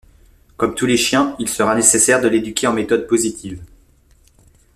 Comme tous les chiens, il sera nécessaire de l'éduquer en méthodes positives.